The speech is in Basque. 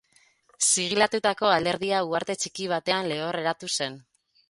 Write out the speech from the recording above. Zigilatutako alderdia uharte txiki batean lehorreratu zen.